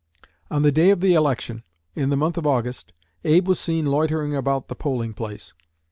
"On the day of the election, in the month of August, Abe was seen loitering about the polling place.